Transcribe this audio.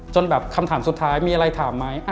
จนแบบคำถามสุดท้ายมีอะไรถามไหม